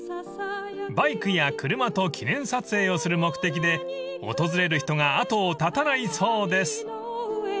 ［バイクや車と記念撮影をする目的で訪れる人が後を絶たないそうです］